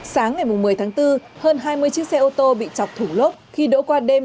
sáng ngày một mươi tháng bốn hơn hai mươi chiếc xe ô tô bị chọc thủ lốp khi đỗ qua đêm